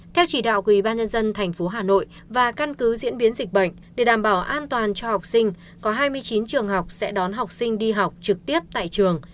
theo chỉ đạo của ybnd tp hà nội và căn cứ diễn biến dịch bệnh để đảm bảo an toàn cho học sinh có hai mươi chín trường học sẽ đón học sinh đi học trực tiếp tại trường